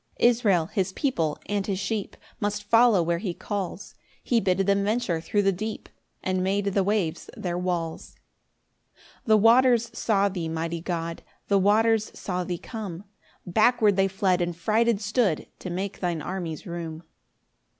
5 Israel, his people, and his sheep, Must follow where he calls; He bid them venture thro' the deep, And made the waves their walls. 6 The waters saw thee, mighty God! The waters saw thee come; Backward they fled, and frighted stood, To make thine armies room.